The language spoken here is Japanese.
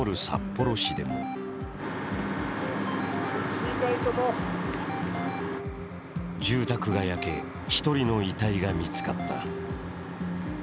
札幌市でも住宅が焼け、１人の遺体が見つかった。